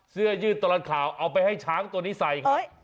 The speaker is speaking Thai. เสื้อยืดตลอดข่าวเอาไปให้ช้างตัวนี้ใส่ครับ